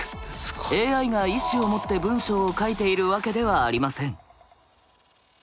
ＡＩが意思を持って文章を書いているわけではありません。